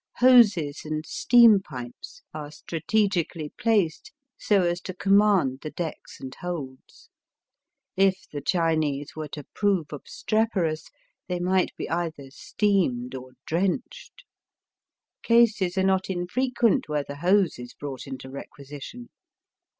Hoses and steam pipes are strategically placed so as to command the decks and holds. If the Chinese were to prove obstreperous they might be either steamed or drenched. Cases are not infrequent where the hose is brought into requisition.